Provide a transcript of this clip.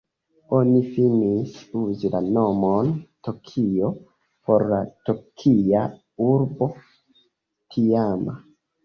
Oni finis uzi la nomon "Tokio" por la Tokia Urbo tiama.